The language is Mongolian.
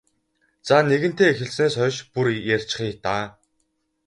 За нэгэнтээ эхэлснээс хойш бүр ярьчихъя даа.